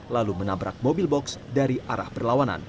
lalu menabrak mobil box dari arah berlawanan